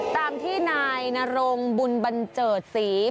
ตามที่นายนรงบุญบันเจิดศรี